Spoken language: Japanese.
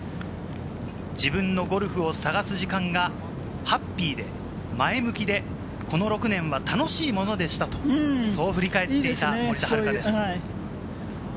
自分のゴルフを探す時間が、ハッピーで、前向きで、この６年は楽しいものでしたと、そう振り返っていた森田遥です。